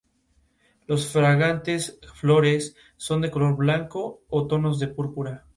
Molly e Inez lo animan a manejar un camión de comida.